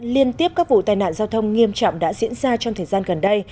liên tiếp các vụ tai nạn giao thông nghiêm trọng đã diễn ra trong thời gian gần đây